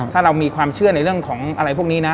ถ้าเรามีความเชื่อในเรื่องของอะไรพวกนี้นะ